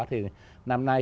thì năm nay